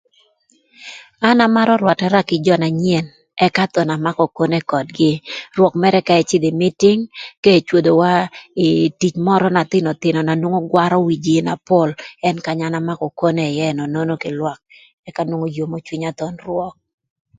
An amarö rwatara kï jö na nyen, ëka thon amakö okone ködgï, rwök mërë ka ïcïdhö ï mïtïng, ka ecwodowa ï tic mörö na thïnöthïnö, ngö na nwongo gwarö wi jïï na pol kanya an amakö okone ïë ënön kï lwak. Ëka nwongo yomo cwinya thon rwök.